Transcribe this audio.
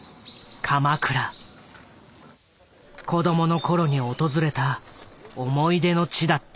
子どもの頃に訪れた思い出の地だった。